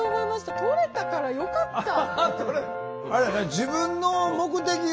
とれたからよかった。